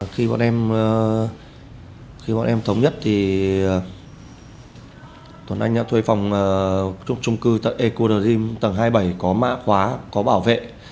khi bọn em thống nhất thì tuần anh thuê phòng trung cư tầng ecuradim tầng hai mươi bảy có mã khóa có bảo vệ